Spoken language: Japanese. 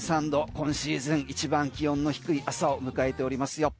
今シーズン一番気温の低い朝を迎えておりますよ。